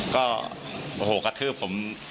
ก็โอ้โหกระทืบผม